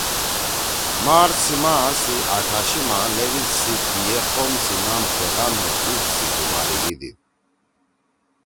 مارچ سی ماہ سی آٹھاشما لیؤ عید سی دی ئے قوم سی نام پیغام می عید سی بُماریِگی دیِد